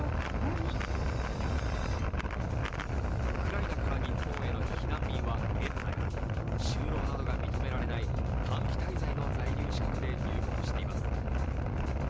ウクライナから日本への避難民は現在就労などが認められない短期滞在の在留資格で入国しています。